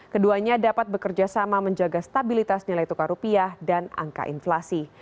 keduanya dapat bekerja sama menjaga stabilitas nilai tukar rupiah dan angka inflasi